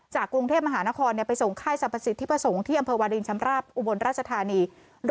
กรุงเทพมหานครไปส่งค่ายสรรพสิทธิประสงค์ที่อำเภอวาลินชำราบอุบลราชธานี